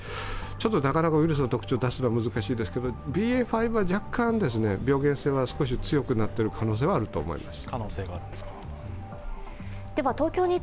なかなかウイルスの特徴を出すのは難しいですけどＢＡ．５は若干、病原性は少し強くなっている可能性はあると思います。